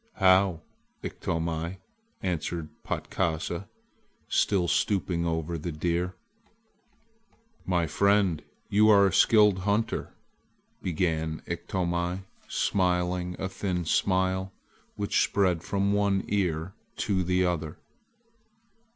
"How, Iktomi!" answered Patkasa, still stooping over the deer. "My friend, you are a skilled hunter," began Iktomi, smiling a thin smile which spread from one ear to the other.